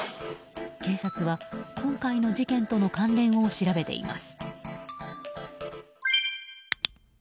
警察は今回の事件との関連を調べています。